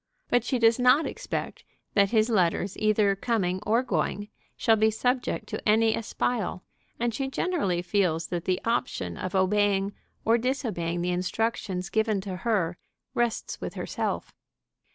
But she does not expect that his letters, either coming or going, shall be subject to any espial, and she generally feels that the option of obeying or disobeying the instructions given to her rests with herself.